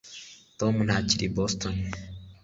tom ntakiri i boston